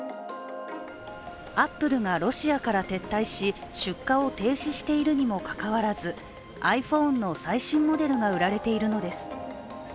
アップルがロシアから撤退し、出荷を停止しているにもかかわらずｉＰｈｏｎｅの最新モデルが売られているのです。